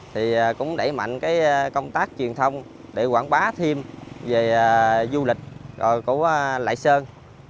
thì cũng đẩy mạnh cái công tác truyền thông để quảng bá thêm về du lịch của lại sơn